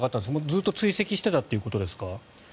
ずっと追跡していたということですか？